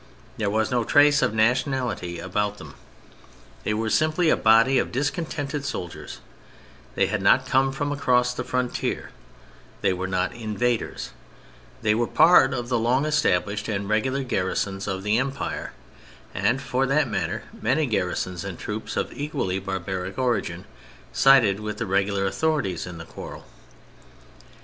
There was no trace of nationality about them. They were simply a body of discontented soldiers; they had not come from across the frontier; they were not invaders; they were part of the long established and regular garrisons of the Empire; and, for that matter, many garrisons and troops of equally barbaric origin, sided with the regular authorities in the quarrel.